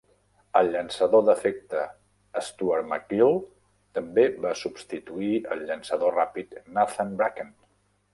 El llançador d'efecte Stuart MacGill també va substituir al llançador ràpid Nathan Bracken.